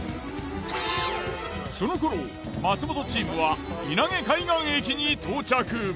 その頃松本チームは稲毛海岸駅に到着。